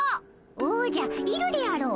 おじゃいるであろう。